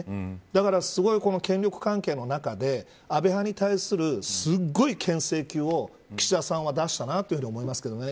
だからすごいこの権力関係の中で安倍派に対するすごいけん制球を岸田さんは出したなと思いますけどね。